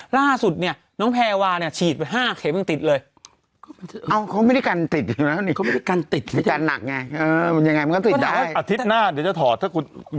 ล่าสุดเนี่ยน้องแพรวาเนี่ยฉีดไป๕เข็มยังติดเลย